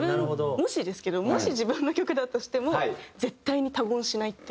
もしですけどもし自分の曲だとしても絶対に他言しないっていう。